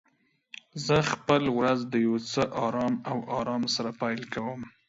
زه خپل ورځ د یو څه آرام او آرام سره پیل کوم.